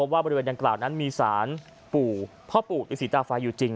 วันยังกล่าวนั้นมีศานผ้าปู่ดีสีตาไฟอยู่จริง